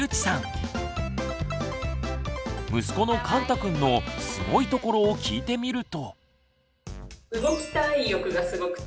息子のかんたくんのすごいところを聞いてみると。